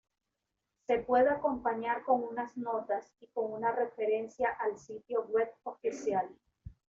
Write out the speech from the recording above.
Se puede acompañar con unas notas y con una referencia al sitio web oficial.